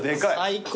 最高。